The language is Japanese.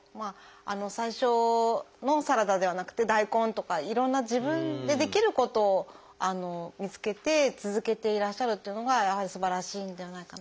最初のサラダではなくて大根とかいろんな自分でできることを見つけて続けていらっしゃるというのがやはりすばらしいんではないかなと。